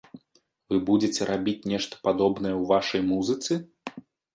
Вы будзеце рабіць нешта падобнае ў вашай музыцы?